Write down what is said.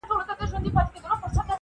خپل جنون رسوا کمه، ځان راته لیلا کمه -